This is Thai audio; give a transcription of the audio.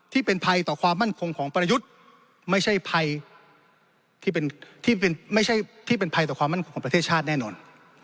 ที่เป็นภัยต่อความมั่นคงของประยุทธ์ไม่ใช่ภัยที่ไม่ใช่ที่เป็นภัยต่อความมั่นคงของประเทศชาติแน่นอน